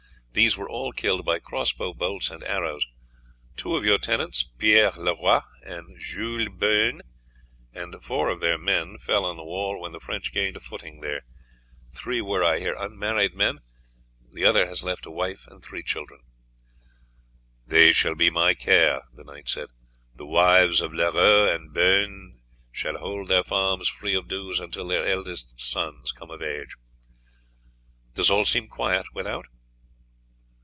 These were all killed by cross bow bolts and arrows, Two of your tenants, Pierre Leroix and Jules Beaune, and four of their men fell on the wall when the French gained a footing there; three were, I hear, unmarried men, the other has left a wife and three children." "They shall be my care," the knight said. "The wives of Leroix and Beaune shall hold their farms free of dues until their eldest sons come of age. Does all seem quiet without?"